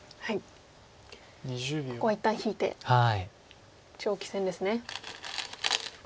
ここは一旦引いて長期戦ですね。